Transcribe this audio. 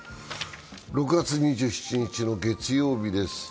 ６月２７日の月曜日です。